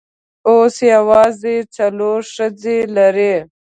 اوس یوازې څلور ښځې لري.